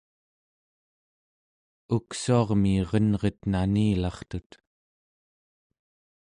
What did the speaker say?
uksuarmi erenret nanililartut